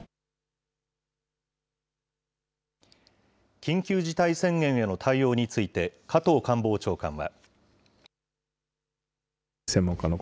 緊急事態宣言への対応について、加藤官房長官は。